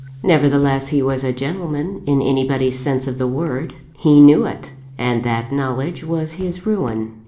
Nevertheless, he was a gentleman in anybody's sense of the word; he knew it, and that knowledge was his ruin.